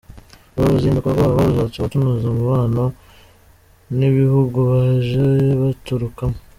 Uru ruzinduko rwabo ruzatuma tunoza umubano n’ibihugu baje baturukamo .